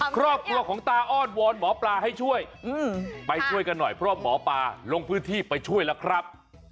ครอบครัวของตาอ้อนวอนหมอปลาให้ช่วยไปช่วยกันหน่อยเพราะว่าหมอปลาลงพื้นที่ไปช่วยแล้วครับ